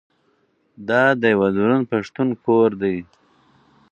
دا د یوه دروند پښتون کور دی.